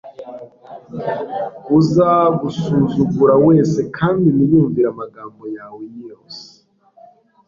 uzagusuzugura wese kandi ntiyumvire amagambo yawe yose